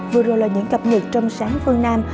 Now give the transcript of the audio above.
vừa rồi là những cập nhật trong sáng phương nam